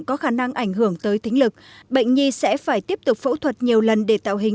có khả năng ảnh hưởng tới tính lực bệnh nhi sẽ phải tiếp tục phẫu thuật nhiều lần để tạo hình